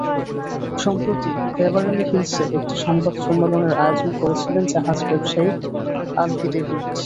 সম্প্রতি বেভারলি হিলসে একটি সংবাদ সম্মেলনের আয়োজন করেছিলেন জাহাজ ব্যবসায়ী আলকি ডেভিড।